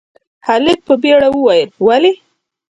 هلک په بيړه وويل، ولې؟